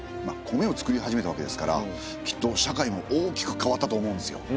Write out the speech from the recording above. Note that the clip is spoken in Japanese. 米を作り始めたわけですからきっと社会も大きく変わったと思うんですよ。